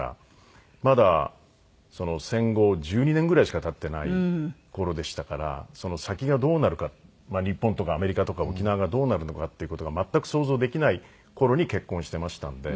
まだ戦後１２年ぐらいしか経っていない頃でしたから先がどうなるかまあ日本とかアメリカとか沖縄がどうなるのかっていう事が全く想像できない頃に結婚していましたんで。